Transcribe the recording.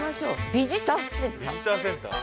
ビジターセンター。